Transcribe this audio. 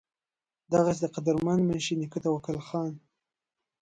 دغسې د قدرمند منشي نيکۀ توکل خان